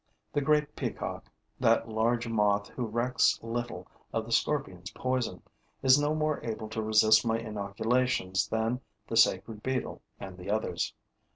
The great peacock, that large moth who recks little of the scorpion's poison, is no more able to resist my inoculations than the sacred beetle and the others.